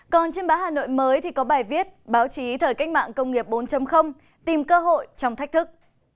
còn trên báo hà nội mới thì có bài viết báo chí thời cách mạng công nghiệp bốn tìm cơ hội trong thách thức